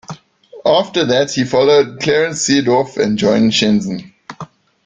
After that he followed Clarence Seedorf and joined Shenzhen.